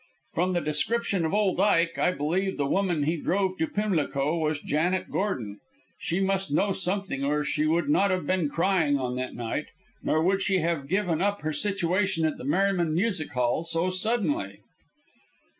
From the description of old Ike, I believe the woman he drove to Pimlico was Janet Gordon. She must know something or she would not have been crying on that night, nor would she have given up her situation at the Merryman Music Hall so suddenly."